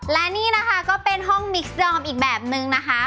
และนี่ก็เป็นห้องมิคซ์ดอมอีกแบบหนึ่งนะคะ